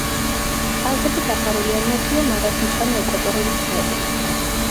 კალთები დაფარულია ნოტიო მარადმწვანე ეკვატორული ტყეებით.